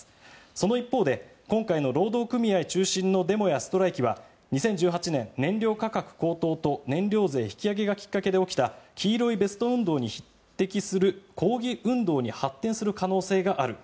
その一方で、今回の労働組合中心のデモやストライキは２０１８年、燃料価格高騰と燃料税引き上げがきっかけで起きた黄色いベスト運動に匹敵する抗議運動に発展する可能性がある。